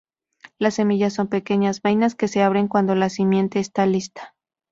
Las semillas son pequeñas vainas, que se abren cuando la simiente está lista.